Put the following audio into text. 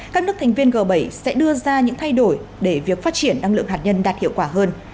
các nước thành viên g bảy sẽ đưa ra những thay đổi để việc phát triển năng lượng hạt nhân đạt hiệu quả hơn